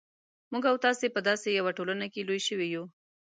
موږ او تاسې په داسې یوه ټولنه کې لوی شوي یو.